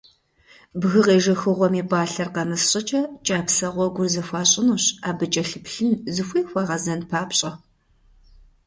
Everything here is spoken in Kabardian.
Бгы къежэхыгъуэм и пӀалъэр къэмыс щӀыкӀэ кӀапсэ гъуэгур зэхуащӏынущ, абы кӀэлъыплъын, зыхуей хуагъэзэн папщӀэ.